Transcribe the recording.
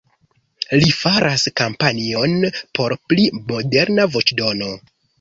Li faras kampanjon por pli moderna voĉdono.